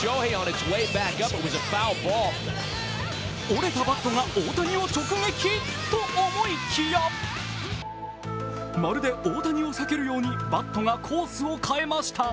折れたバットが大谷を直撃と思いきやまるで大谷を避けるようにバットがコースを変えました。